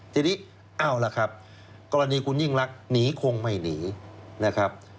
ทีนี้เอาล่ะครับกรณีคุณยิ่งรักหนีคงไม่หนีนะครับ